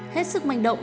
hết sức manh động